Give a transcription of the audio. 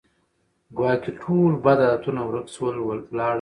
ګواکي ټول بد عادتونه ورک سول ولاړه